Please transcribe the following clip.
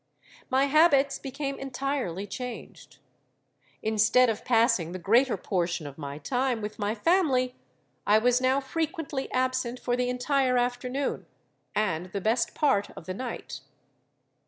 "My habits became entirely changed: instead of passing the greater portion of my time with my family, I was now frequently absent for the entire afternoon and the best part of the night.